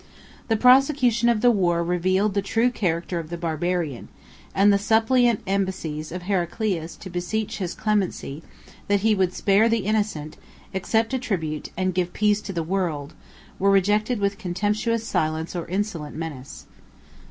The prosecution of the war revealed the true character of the Barbarian; and the suppliant embassies of Heraclius to beseech his clemency, that he would spare the innocent, accept a tribute, and give peace to the world, were rejected with contemptuous silence or insolent menace.